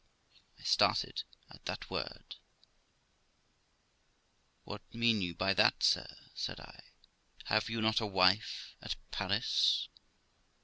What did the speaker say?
I started at that word, 'What mean you by that, sir?' said I. 'Have you not a wife at Paris?'